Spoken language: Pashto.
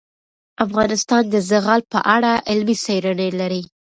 افغانستان د زغال په اړه علمي څېړنې لري.